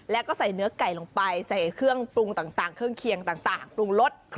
แล้วก็ใส่เนื้อไก่ลงไปใส่เครื่องปรุงต่างเครื่องเคียงต่างปรุงรส